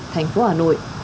thành phố hà nội